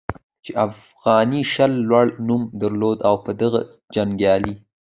چې افغاني شل لوړ نوم درلود او په دغه جنګیالي